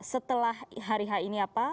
setelah hari ini apa